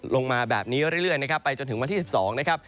ลงมาแบบนี้เรื่อยไปจนถึงวันที่๑๒